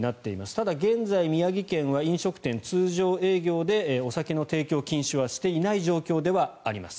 ただ現在、宮城県は飲食店、通常営業でお酒の提供禁止はしていない状況ではあります。